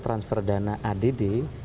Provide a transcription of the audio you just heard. transfer dana add